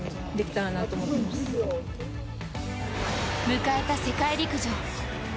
迎えた世界陸上。